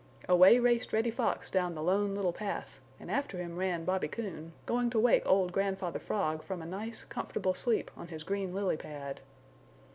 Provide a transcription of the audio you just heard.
Away raced Reddy Fox down the Lone Little Path and after him ran Bobby Coon, going to wake old Grandfather Frog from a nice comfortable sleep on his green lily pad.